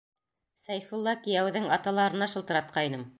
Сәйфулла кейәүҙең аталарына шылтыратҡайным.